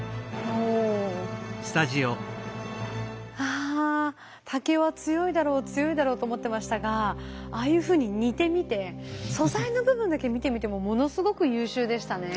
あ竹は強いだろう強いだろうと思ってましたがああいうふうに煮てみて素材の部分だけ見てみてもものすごく優秀でしたね。